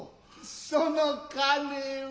その金は。